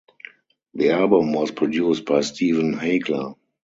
The album was produced by Steven Haigler.